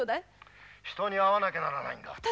☎人に会わなきゃならないんだ。